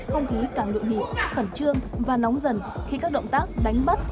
không khí càng lụi nhìn khẩn trương và nóng dần khi các động tác đánh bắt